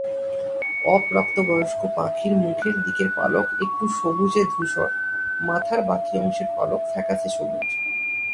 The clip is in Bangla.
অপ্রাপ্তবয়স্ক পাখির মুখের দিকের পালক একটু সবজে-ধূসর, মাথার বাকি অংশের পালক ফ্যাকাসে সবুজ।